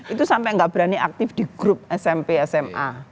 itu sampai gak berani aktif di grup smp sma